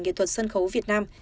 nghệ thuật sân khấu việt nam